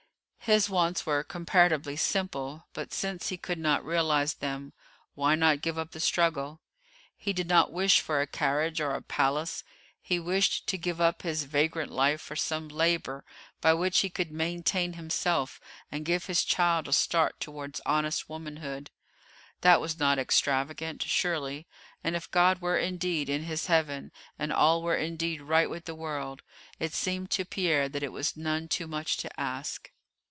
His wants were comparatively simple; but, since he could not realise them, why not give up the struggle? He did not wish for a carriage or a palace; he wished to give up his vagrant life for some labour by which he could maintain himself and give his child a start towards honest womanhood. That was not extravagant, surely, and if God were indeed in His heaven, and all were indeed right with the world, it seemed to Pierre that it was none too much to ask.